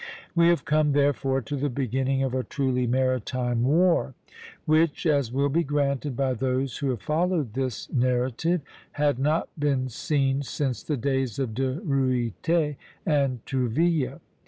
We have come, therefore, to the beginning of a truly maritime war; which, as will be granted by those who have followed this narrative, had not been seen since the days of De Ruyter and Tourville.